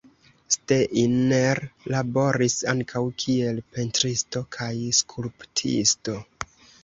Steiner laboris ankaŭ kiel pentristo kaj skulptisto.